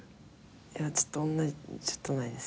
いやちょっとちょっとないです。